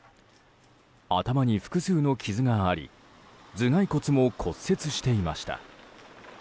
頭に複数の傷があり頭蓋骨も骨折していました。